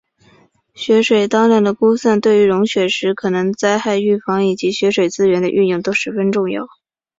雪水当量的估算对于融雪时可能的灾害预防以及雪水资源的运用都十分重要。